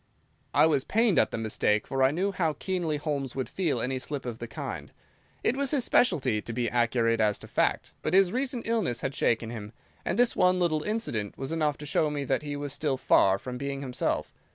I was pained at the mistake, for I knew how keenly Holmes would feel any slip of the kind. It was his specialty to be accurate as to fact, but his recent illness had shaken him, and this one little incident was enough to show me that he was still far from being himself.